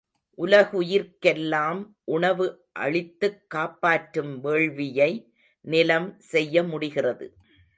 உலகுயிர்க்கெல்லாம் உணவு அளித்துக் காப்பாற்றும் வேள்வியை நிலம் செய்ய முடிகிறது.